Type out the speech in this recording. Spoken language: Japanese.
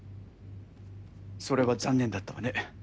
それは残念だったわね。